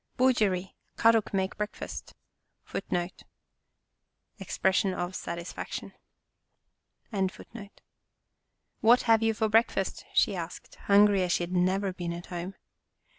" Bujeri, * Kadok make breakfast." 1 Expression of satisfaction. 90 In the Bush 91 " What have you for breakfast," she asked, hungry as she had never been at home.